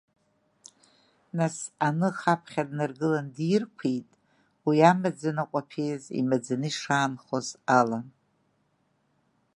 Нас аныха аԥхьа днаргыланы дирқәит уи амаӡа Анаҟәаԥиазы имаӡаны ишаанхоз ала.